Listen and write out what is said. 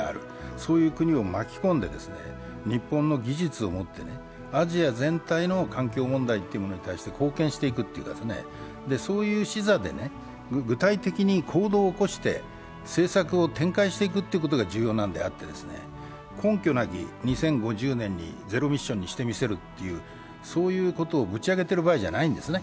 そういう国を巻き込んで日本の技術をもってアジア全体の環境問題というものに対して貢献していくというか、そういう視座で具体的に行動を起こして政策を展開していくことが重要なんであって、根拠なき２０５０年にゼロミッションにしてみせるということをぶち上げている場合じゃないんですね。